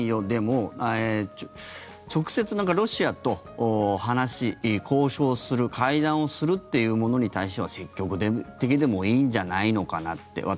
でも、直接ロシアと話し交渉する、会談をするっていうものに対しては積極的でもいいんじゃないのかなって。